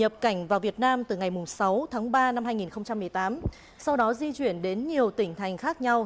nhập cảnh vào việt nam từ ngày sáu tháng ba năm hai nghìn một mươi tám sau đó di chuyển đến nhiều tỉnh thành khác nhau